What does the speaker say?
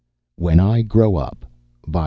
_ when i grow up _by ...